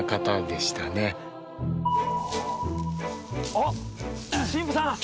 あっ神父さん！